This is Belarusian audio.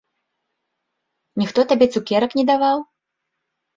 Ніхто табе цукерак не даваў?